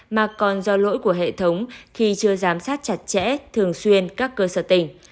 mà còn do lỗi của hệ thống khi chưa giám sát chặt chẽ thường xuyên các cơ sở tỉnh